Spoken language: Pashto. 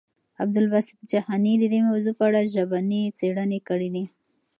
عبدالباسط جهاني د دې موضوع په اړه ژبني څېړنې کړي دي.